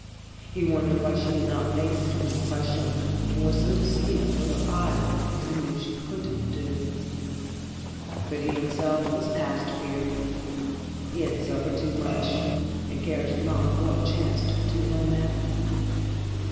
He wondered why she did not face him and crush him and force him to sleep with her eyes as he knew she could do. But he himself was past fear. He had suffered too much and cared not what chanced to him now.